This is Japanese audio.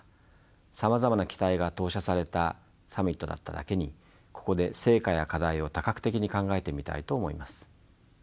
さまざまな期待が投射されたサミットだっただけにここで成果や課題を多角的に考えてみたいと思います。